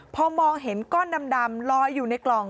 พอมองเห็นก้อนดำลอยอยู่ในกล่อง